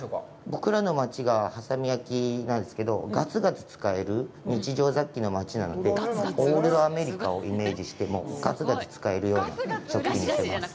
僕らの町が波佐見焼なんですけど、ガツガツ使える日常雑貨の町なので、オールドアメリカンをイメージしてガツガツ使えるような食器にしています。